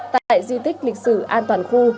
tại di tích lịch sử an toàn khu